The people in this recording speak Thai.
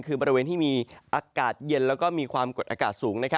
คือบริเวณที่มีอากาศเย็นแล้วก็มีความกดอากาศสูง